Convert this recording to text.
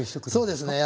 そうですね